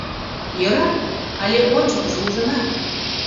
Йӧра, але ончыкыжо ужына».